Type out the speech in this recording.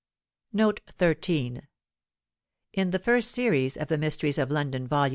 Footnote 13: In the First Series of the "MYSTERIES OF LONDON," Vol.